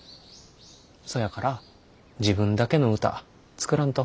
そやから自分だけの歌作らんと。